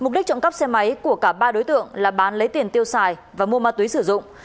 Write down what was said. mục đích trộm cắp xe máy của cả ba đối tượng là bán lấy tiền tiêu xài và mua ma túy sử dụng